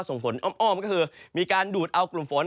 ส่งผลอ้อมก็คือมีการดูดเอากลุ่มฝน